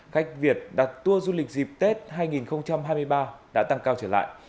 khách việt đặt tour du lịch dịp tết hai nghìn hai mươi ba đã tăng cao trở lại